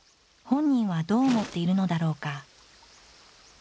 本人はどう思っているのだろうか。